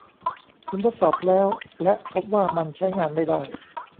คุณทดสอบแล้วและพบว่ามันใช้งานไม่ได้ ?